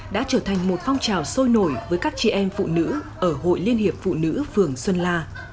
đã trở thành một phong trào sôi nổi với các chị em phụ nữ ở hội liên hiệp phụ nữ phường xuân la